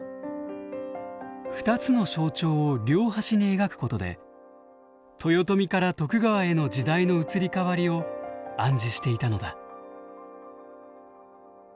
２つの象徴を両端に描くことで豊臣から徳川への時代の移り変わりを暗示していたのだ。